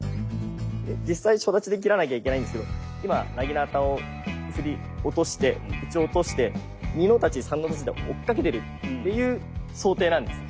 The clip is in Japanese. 実際初太刀で斬らなきゃいけないんですけど今薙刀を落として打ち落として２の太刀３の太刀で追っかけてるっていう想定なんです。